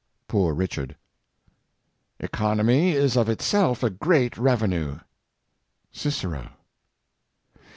''— Poor Richard. "Economy is of itself a great revenue." — Cicero.